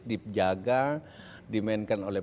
dijaga dimainkan oleh